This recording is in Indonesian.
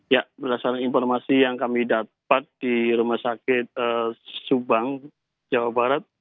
ya berdasarkan informasi yang kami dapat di rumah sakit subang jawa barat